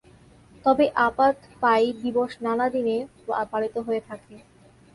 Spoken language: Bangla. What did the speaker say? তবে আপাত পাই দিবস নানা দিনে পালিত হয়ে থাকে।